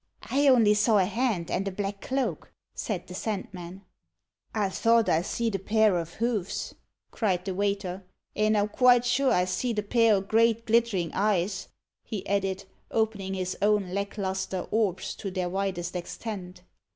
"I only saw a hand and a black cloak," said the Sandman. "I thought I seed a pair o' hoofs," cried the waiter; "and I'm quite sure I seed a pair o' great glitterin' eyes," he added, opening his own lacklustre orbs to their widest extent.